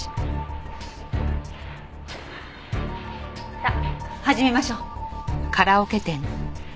さあ始めましょう。